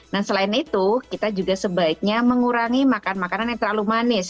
nah selain itu kita juga sebaiknya mengurangi makan makanan yang terlalu manis